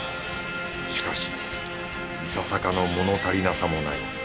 しかしいささかの物足りなさもない。